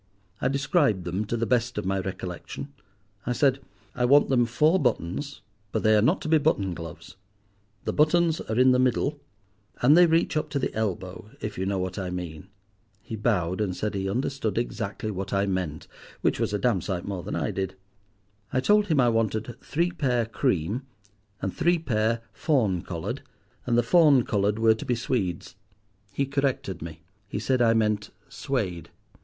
I described them to the best of my recollection. I said, 'I want them four buttons, but they are not to be button gloves; the buttons are in the middle and they reach up to the elbow, if you know what I mean.' He bowed, and said he understood exactly what I meant, which was a damned sight more than I did. I told him I wanted three pair cream and three pair fawn coloured, and the fawn coloured were to be swedes. He corrected me. He said I meant 'Suede.